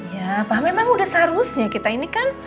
ya apa memang udah seharusnya kita ini kan